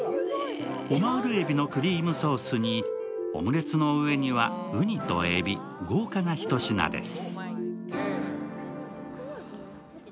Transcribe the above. オマールえびのクリームソースにオムレツの上にはうにとえび、豪華なひと品です。